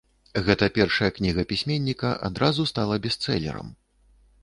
Гэта першая кніга пісьменніка адразу стала бестселерам.